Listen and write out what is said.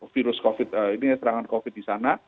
virus covid ini serangan covid di sana